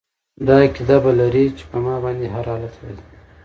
دا عقیده به لري چې په ما باندي هر حالت را ځي